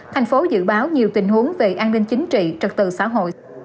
thành phố dự báo nhiều tình huống về an ninh chính trị trật tự xã hội